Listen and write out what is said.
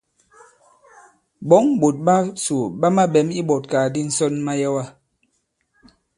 Ɓɔ̌ŋ ɓòt ɓasò ɓa maɓɛ̀m iɓɔ̀tkàgàdi ǹsɔn mayɛwa.